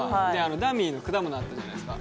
ダミーの果物あったじゃないですか。